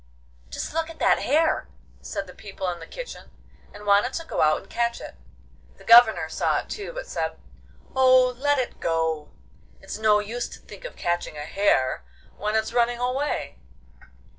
'Just look at that hare,' said the people in the kitchen, and wanted to go out and catch it. The Governor saw it too, but said, 'Oh, let it go! it's no use to think of catching a hare when it's running away.